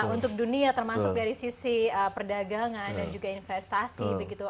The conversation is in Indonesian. untuk dunia termasuk dari sisi perdagangan dan juga investasi begitu